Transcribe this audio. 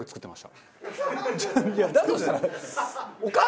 だとしたら。